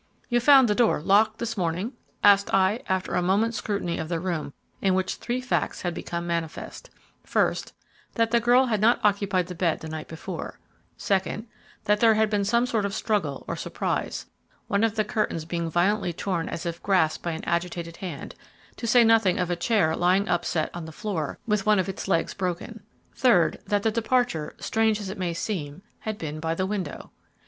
"You found the door locked this morning?" asked I, after a moment's scrutiny of the room in which three facts had become manifest: first, that the girl had not occupied the bed the night before; second, that there had been some sort of struggle or surprise, one of the curtains being violently torn as if grasped by an agitated hand, to say nothing of a chair lying upset on the floor with one of its legs broken; third, that the departure, strange as it may seem, had been by the window.